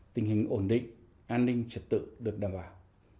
tình hình ổn định an ninh trật tự được đảm bảo